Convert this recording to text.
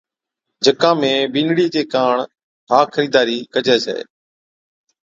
جڪا ۾ بِينَڏڙِي چي ڪاڻ ھا خريداري ڪجي ڇَي،